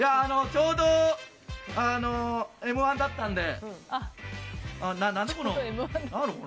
ちょうど「Ｍ‐１」だったんで。